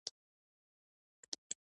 بیا یې په لنډ ډول خپلو ټولګیوالو ته بیان کړئ.